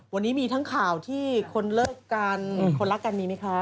วันนี้มีทั้งข่าวที่คนเลิกกันคนรักกันมีไหมคะ